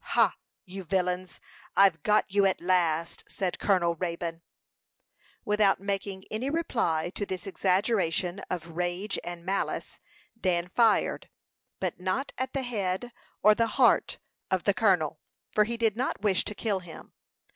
"Hah, you villains! I've got you at last!" said Colonel Raybone. Without making any reply to this expression of rage and malice, Dan fired, but not at the head or the heart of the colonel; for he did not wish to kill him.